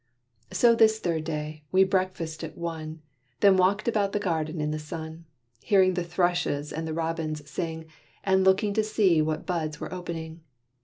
So this third day, we breakfasted at one: Then walked about the garden in the sun, Hearing the thrushes and the robins sing, And looking to see what buds were opening.